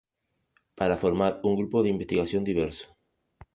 para formar un grupo de investigación diverso